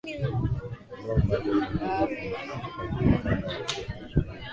mvua ambazo zinaendelea kunyesha katika ukanda wa afrika mashariki